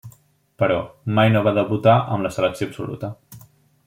Però, mai no va debutar amb la selecció absoluta.